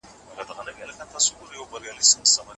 د اروپا ډېر ارزښتناک کتابونه لا هم لادرکه دي.